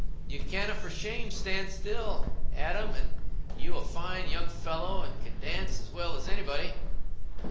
You canna for shame stand still, Adam, an' you a fine young fellow and can dance as well as anybody."